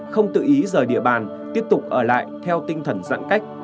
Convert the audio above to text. không tự ý rời địa bàn tiếp tục ở lại theo tinh thần giãn cách